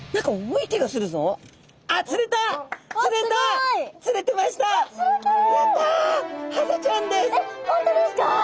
えっ本当ですか？